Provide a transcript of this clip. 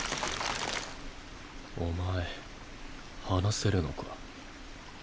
お前話せるのか。